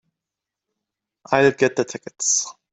I'll get the tickets.